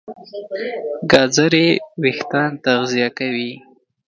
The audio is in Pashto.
ګازرې وېښتيان تغذیه کوي.